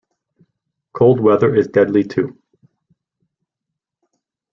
Cold weather is deadly too.